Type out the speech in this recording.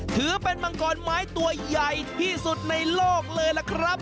ถือเป็นมังกรไม้ตัวใหญ่ที่สุดในโลกเลยล่ะครับ